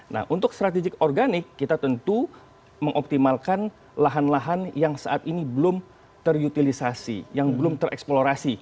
nah untuk strategik organik kita tentu mengoptimalkan lahan lahan yang saat ini belum terutilisasi yang belum tereksplorasi